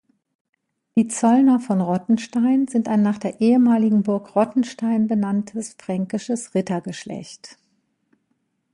Die Zollner von Rottenstein sind ein nach der ehemaligen Burg Rottenstein benanntes fränkisches Rittergeschlecht.